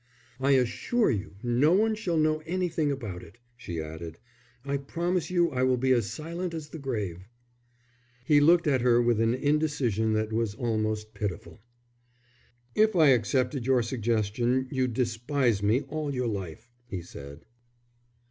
"I assure you no one shall know anything about it," she added. "I promise you I will be as silent as the grave." He looked at her with an indecision that was almost pitiful. "If I accepted your suggestion you'd despise me all your life," he said.